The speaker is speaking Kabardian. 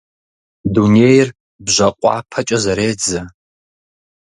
Дунейр бжьакъуэпэкӀэ зэредзэ.